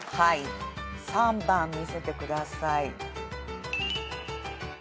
３番見せてください。